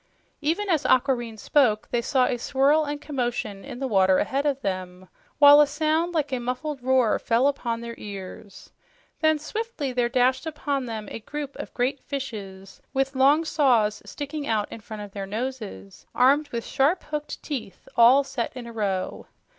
Even as Aquareine spoke, they saw a swirl and commotion in the water ahead of them, while a sound like a muffled roar fell upon their ears. Then swiftly there dashed upon them a group of great fishes with long saws sticking out in front of their noses, armed with sharp, hooked teeth, all set in a row.